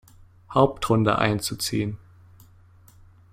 Hauptrunde einzuziehen.